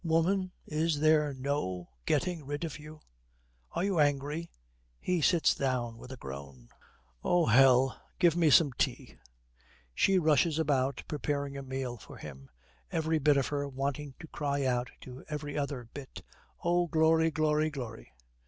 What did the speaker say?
'Woman, is there no getting rid of you!' 'Are you angry?' He sits down with a groan. 'Oh, hell! Give me some tea.' She rushes about preparing a meal for him, every bit of her wanting to cry out to every other bit, 'Oh, glory, glory, glory!'